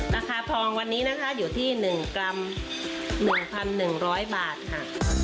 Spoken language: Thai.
ราคาทองวันนี้นะคะอยู่ที่๑กรัม๑๑๐๐บาทค่ะ